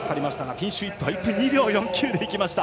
ピンシュー・イップは１分２秒４９でいきました。